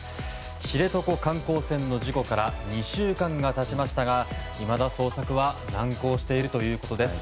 知床観光船の事故から２週間が経ちましたがいまだ捜索は難航しているということです。